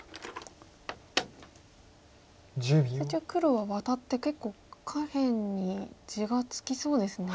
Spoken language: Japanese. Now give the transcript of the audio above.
一応黒はワタって結構下辺に地がつきそうですね。